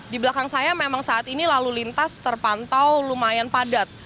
di belakang saya memang saat ini lalu lintas terpantau lumayan padat